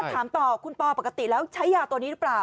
ถามต่อคุณปอปกติแล้วใช้ยาตัวนี้หรือเปล่า